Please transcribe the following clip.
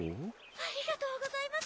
ありがとうございます！